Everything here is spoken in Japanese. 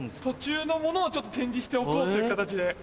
途中のものをちょっと展示しておこうという形で。